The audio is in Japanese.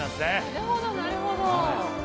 なるほどなるほど。